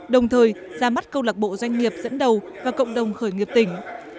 đồng thời ra mắt câu lạc bộ doanh nghiệp dẫn đầu và cộng đồng khởi nghiệp tỉnh